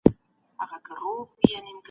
څوک د مدافع وکیلانو د حقونو ساتنه کوي؟